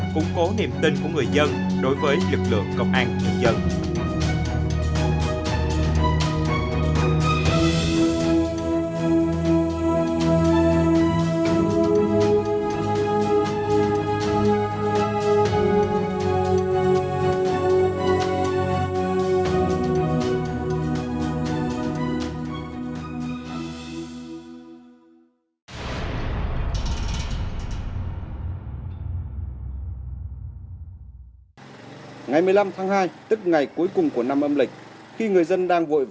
cung cố niềm tin của người dân đối với lực lượng công an nhân dân